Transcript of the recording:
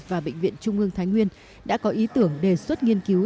và bệnh viện trung ương thái nguyên đã có ý tưởng đề xuất nghiên cứu